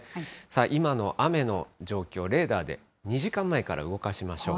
今の雨の状況、レーダーで２時間前から動かしましょう。